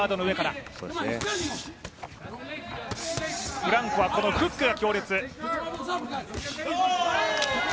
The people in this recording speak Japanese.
フランコはフックが強烈。